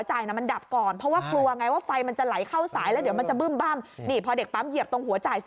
ให้ไฟในหัวจ่ายนั้นดับก่อน